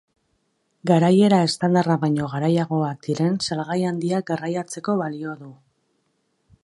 Garaiera estandarra baino garaiagoak diren salgai handiak garraiatzeko balio du.